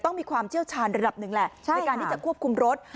มีความเชี่ยวชาญระดับหนึ่งแหละในการที่จะควบคุมรถ